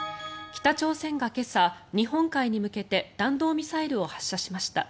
北朝鮮が今朝、日本海に向けて弾道ミサイルを発射しました。